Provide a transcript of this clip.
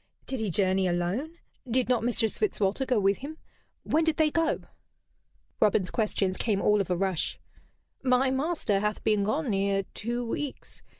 "Did he journey alone? Did not Mistress Fitzwalter go with him? When did they go?" Robin's questions came all of a rush. "My master hath been gone near two weeks.